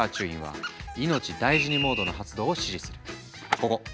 ここ！